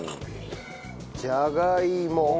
じゃがいも。